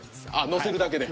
乗せるだけで。